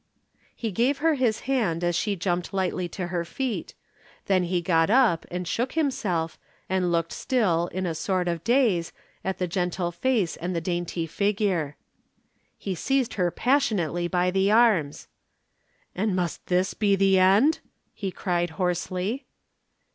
He gave her his hand and she jumped lightly to her feet. Then he got up and shook himself, and looked still in a sort of daze, at the gentle face and the dainty figure. He seized her passionately by the arms. "And must this be the end?" he cried hoarsely.